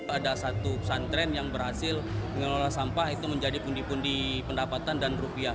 ada satu pesantren yang berhasil mengelola sampah itu menjadi pundi pundi pendapatan dan rupiah